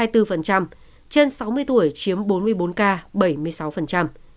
trên sáu mươi tuổi chiếm bốn mươi bốn ca bảy mươi sáu